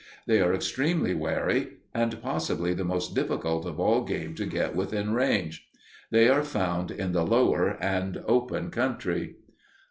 They are extremely wary and possibly the most difficult of all game to get within range. They are found in the lower and open country.